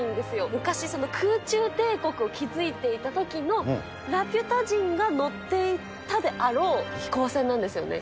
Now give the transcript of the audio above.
昔、空中帝国を築いていたときのラピュタ人が乗っていたであろう飛行船なんですよね。